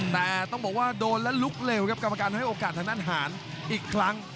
แต่ต้องบอกว่าโดนและลุกเร็วครับกรรมการให้โอกาสทางด้านหารอีกครั้ง